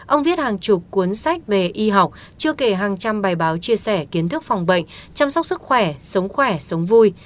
ông viết hàng chục cuốn sách về y học chưa kể hàng trăm bài báo chia sẻ kiến thức phòng bệnh chăm sóc sức khỏe sống khỏe sống vui